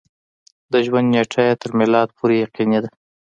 د ژوند نېټه یې تر میلاد پورې یقیني ده.